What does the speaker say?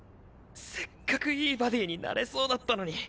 せっかくいいバディになれそうだったのに。